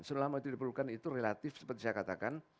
selama itu diperlukan itu relatif seperti saya katakan